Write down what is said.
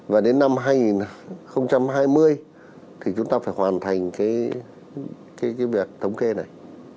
và đến năm hai nghìn hai mươi thì chúng ta phải hoàn thành cái việc thống kê này